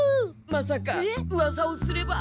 まさかうわさをすれば。